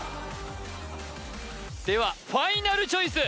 ではファイナルチョイス